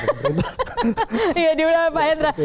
iya diurangin pak hendra